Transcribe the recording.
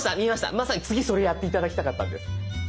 まさに次それやって頂きたかったんです。